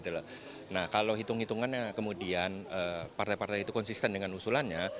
nah kalau hitung hitungannya kemudian partai partai itu konsisten dengan usulannya